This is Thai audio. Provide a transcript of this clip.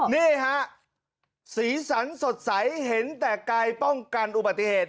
นี่ฮะสีสันสดใสเห็นแต่กายป้องกันอุบัติเหตุ